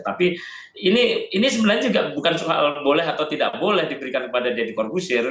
tapi ini sebenarnya juga bukan soal boleh atau tidak boleh diberikan kepada deddy corbusir